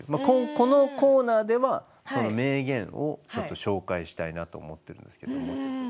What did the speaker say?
このコーナーではその名言をちょっと紹介したいなと思ってるんですけども。